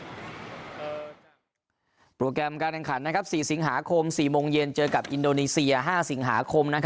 โปรแกรมการแข่งขัน๔สิงหาคม๔โมงเย็นเจอกับอินโดนีเซีย๕สิงหาคม